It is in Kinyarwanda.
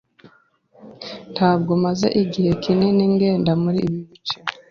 Ntabwo maze igihe kinini ngenda muri ibi bice.